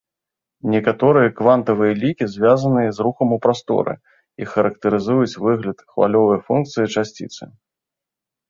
Некаторыя квантавыя лікі звязаныя з рухам у прасторы і характарызуюць выгляд хвалевай функцыі часціцы.